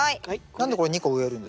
何でこれ２個植えるんですか？